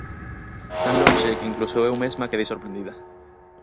Tan lonxe que incluso eu mesma quedei sorprendida.